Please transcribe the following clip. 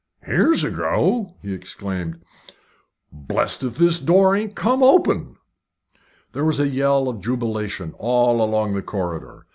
"Here's a go!" he exclaimed. "Blest if this door ain't come open." There was a yell of jubilation all along the corridor.